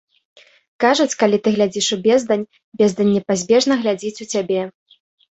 Кажуць, калі ты глядзіш у бездань, бездань непазбежна глядзіць у цябе.